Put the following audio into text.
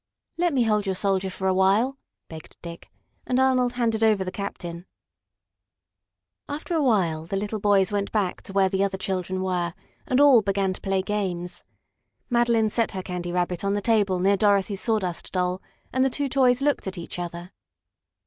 "Let me hold your Soldier for a while," begged Dick, and Arnold handed over the Captain. After a while the little boys went back to where the other children were and all began to play games. Madeline set her Candy Rabbit on the table near Dorothy's Sawdust Doll, and the two toys looked at each other.